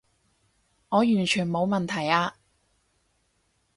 我完全冇問題啊